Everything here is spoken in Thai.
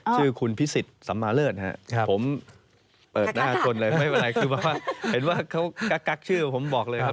ชื่อคุณพิสิทธิ์สัมมาเลิศครับผมเปิดหน้าคนเลยไม่เป็นไรคือแบบว่าเห็นว่าเขากักชื่อผมบอกเลยครับ